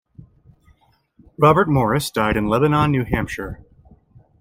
Robert Morris died in Lebanon, New Hampshire.